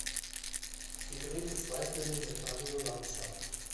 Sie drehte zwei Filme mit Mario Lanza.